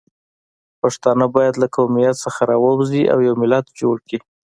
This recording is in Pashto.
پښتانه باید له قومیت نه راووځي او یو ملت جوړ کړي